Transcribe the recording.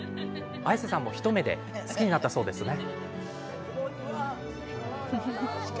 綾瀬さんも一目で好きになったんですよね。